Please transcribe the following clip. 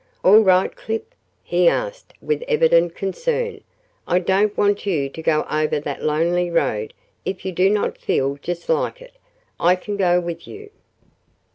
"All right, Clip?" he asked with evident concern. "I don't want you to go over that lonely road if you do not feel just like it. I can go with you."